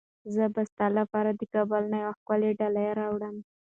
زه به ستا لپاره د کابل نه یوه ښکلې ډالۍ راوړم.